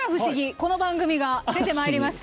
この番組が出てきました。